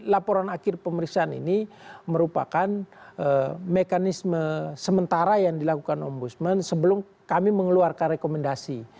laporan akhir pemeriksaan ini merupakan mekanisme sementara yang dilakukan ombudsman sebelum kami mengeluarkan rekomendasi